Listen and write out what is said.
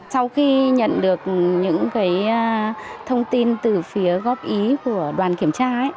sau khi nhận được những thông tin từ phía góp ý của đoàn kiểm tra